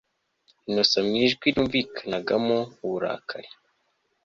Innocent mwijwi ryumvikanagamo uburakari